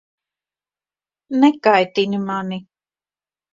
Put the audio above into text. Nekaitini mani!